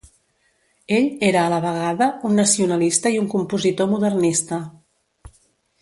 Ell era a la vegada un nacionalista i un compositor modernista.